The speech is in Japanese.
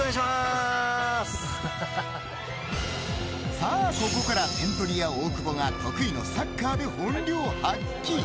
さあ、ここから点取り屋、大久保の得意のサッカーで本領発揮。